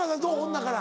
女から。